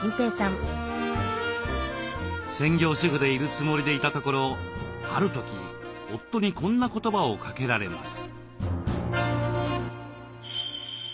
専業主婦でいるつもりでいたところある時夫にこんな言葉をかけられます。